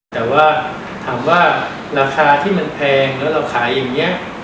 แต่ว่าถามว่าราคาที่มันแพงแล้วเราขายอย่างนี้